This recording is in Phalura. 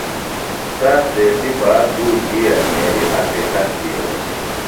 سات ریتیۡ باد دُو بِھیرہ مھرِیۡ عقیقہ تِھیلوۡ۔